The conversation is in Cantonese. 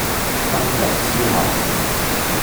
登入之後